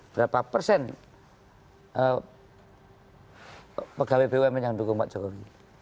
berapa persen pegawai bumn yang dukung pak jokowi